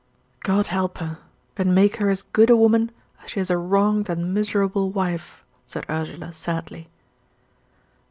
"God help her, and make her as good a woman as she is a wronged and miserable wife," said Ursula, sadly.